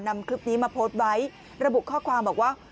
นำคลิปนี้มาโพสต์ไว้ระบุข้อความบอกว่า